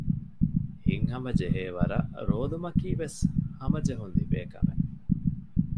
ހިތްހަމަ ޖެހޭވަރަށް ރޯލުމަކީވެސް ހަމަޖެހުން ލިބޭކަމެއް